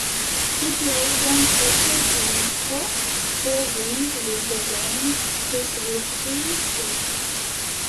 He played on special teams for four games with the Giants his rookie season.